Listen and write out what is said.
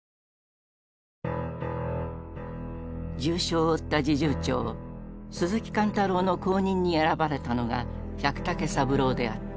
重傷を負った侍従長鈴木貫太郎の後任に選ばれたのが百武三郎であった。